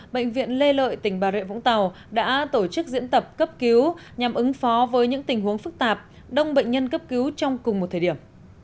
bệnh viện lê lợi tỉnh bà rịa vũng tàu đã tổ chức diễn tập cấp cứu nhằm ứng phó với những tình huống phức tạp đông bệnh nhân cấp cứu trong cùng một thời điểm